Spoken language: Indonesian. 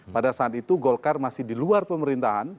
pada saat itu golkar masih di luar pemerintahan